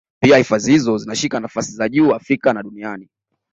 Pia hifadhi hizo zinashika nafasi za juu Afrika na duniani